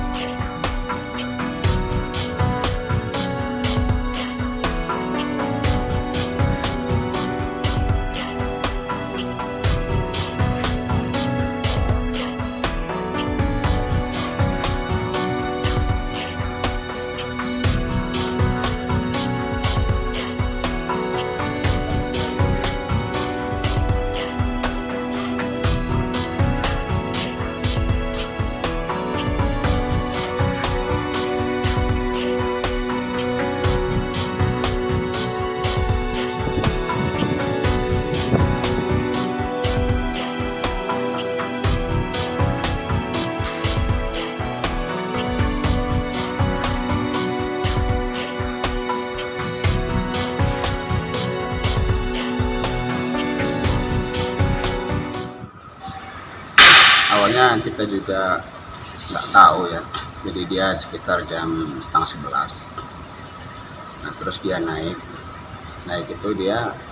kita juga enggak tahu ya jadi dia sekitar jam setengah sebelas terus dia naik naik itu dia